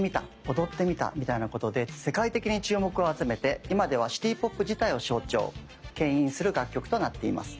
「踊ってみた」みたいなことで世界的に注目を集めて今ではシティーポップ自体を象徴けん引する楽曲となっています。